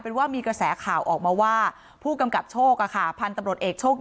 เป็นว่ามีกระแสข่าวออกมาว่าผู้กำกับโชคพันธุ์ตำรวจเอกโชค